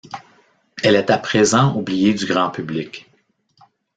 Elle est à présent oubliée du grand public.